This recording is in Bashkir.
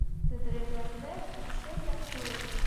Тәҙрәләрҙә - күкшел яҡтылыҡ.